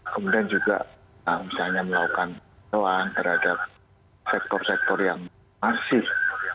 kemudian juga misalnya melakukan doa terhadap sektor sektor yang masif